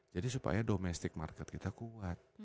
jadi supaya domestic market kita kuat